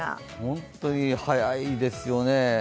本当に早いですよね。